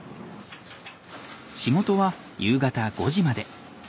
仕事は夕方５時まで。